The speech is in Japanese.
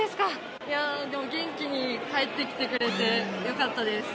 元気に帰ってきてくれて、よかったです。